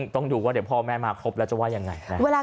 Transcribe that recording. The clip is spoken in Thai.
ต้องดูว่าเดี๋ยวพ่อแม่มาครบแล้วจะว่ายังไงนะ